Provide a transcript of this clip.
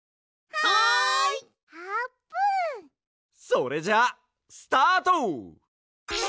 それじゃあスタート！